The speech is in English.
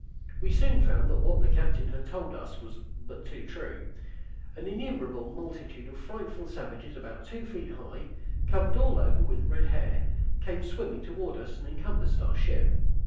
We soon found that what the captain had told us was but too true. An innumerable multitude of frightful savages, about two feet high, covered all over with red hair, came swimming toward us and encompassed our ship.